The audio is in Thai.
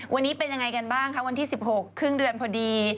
วันนี้เป็นยังไงกันบ้างคะวันที่๑๖ครึ่งเดือนพอดี